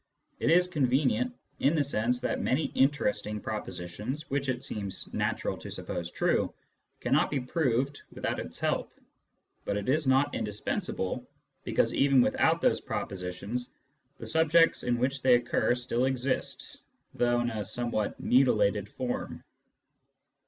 It is convenient, in the sense that many interesting propositions, which it seems natural to suppose true, cannot be proved without its help ; but it is not indispensable, because even without those propositions the subjects in which they occur still exist, though in a somewhat mutilated form.